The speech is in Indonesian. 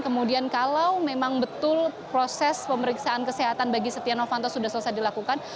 kemudian kalau memang betul proses pemeriksaan kesehatan bagi setia novanto sudah selesai dilakukan